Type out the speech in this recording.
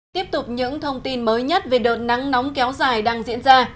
tiếp tục những thông tin mới nhất về đợt nắng nóng kéo dài đang diễn ra